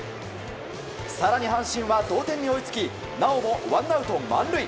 更に阪神は同点に追いつきなおもワンアウト満塁。